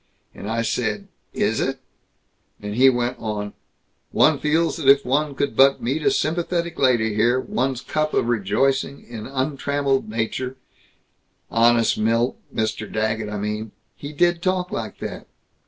and I said, 'Is it?' and he went on, 'One feels that if one could but meet a sympathetic lady here, one's cup of rejoicing in untrammeled nature ' Honest, Milt, Mr. Daggett, I mean, he did talk like that.